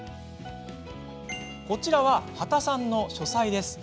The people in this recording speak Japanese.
こちらは羽田さんの書斎。